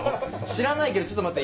知らないけどちょっと待って。